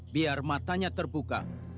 biar matanya terbuka